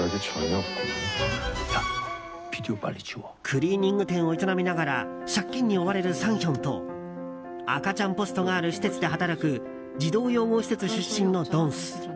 クリーニング店を営みながら借金に追われるサンヒョンと赤ちゃんポストがある施設で働く児童養護施設出身のドンス。